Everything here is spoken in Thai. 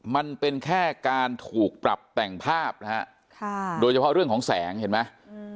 มันเป็นแค่การถูกปรับแต่งภาพนะฮะโดยเฉพาะเรื่องของแสงเห็นไหม